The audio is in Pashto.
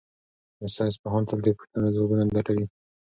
ساینس پوهان تل د پوښتنو ځوابونه لټوي.